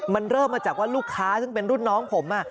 มันเริ่มมาจากว่าลูกค้าซึ่งเป็นรุ่นน้องผม